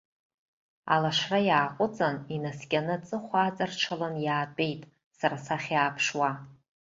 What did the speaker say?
Ала ашра иааҟәыҵын, инаскьаны аҵыхәа аҵарҽыланы иаатәеит, сара сахь иааԥшуа.